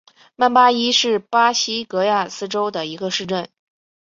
曼巴伊是巴西戈亚斯州的一个市镇。